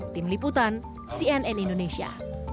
tim liputan cnn indonesia